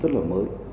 thì rõ ràng đây là